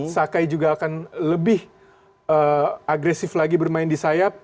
sakai juga akan lebih agresif lagi bermain di sayap